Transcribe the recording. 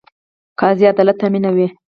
قاضي عدالت تامینوي